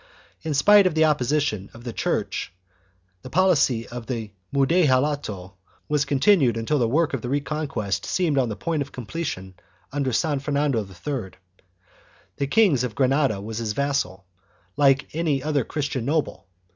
2 In spite of the opposition of the Church the policy of the mudejalato was continued until the work of the Reconquest .seemed on the point of completion under San Fernando III. The King of Granada was his vassal, like any other Castilian noble.